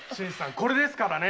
これですからね。